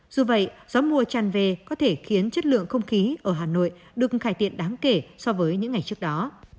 dù vậy gió mùa tràn về có thể khiến chất lượng không khí ở hà nội được cải thiện đáng kể so với những ngày trước đó